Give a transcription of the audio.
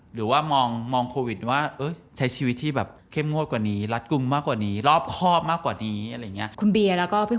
หรือว่ามองโควิดว่าใช้ชีวิตที่แบบเข้มงวดกว่านี้